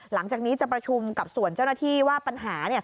หลังจากนี้จะประชุมกับส่วนเจ้าหน้าที่ว่าปัญหา